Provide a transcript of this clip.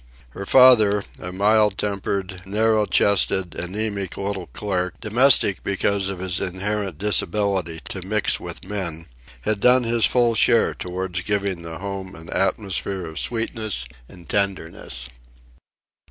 Her father, a mild tempered, narrow chested, anaemic little clerk, domestic because of his inherent disability to mix with men, had done his full share toward giving the home an atmosphere of sweetness and tenderness.